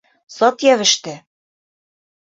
Сат йәбеште.